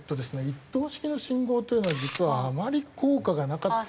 一灯式の信号というのは実はあまり効果がなかったりするんですね。